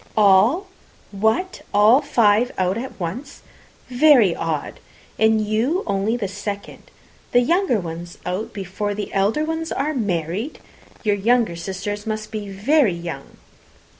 "All! What, all five out at once? Very odd! And you only the second. The younger ones out before the elder are married! Your younger sisters must be very young?"